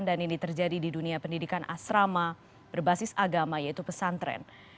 dan ini terjadi di dunia pendidikan asrama berbasis agama yaitu pesantren